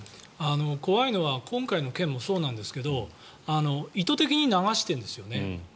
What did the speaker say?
怖いのは今回の件もそうなんですが意図的に流しているんですよね。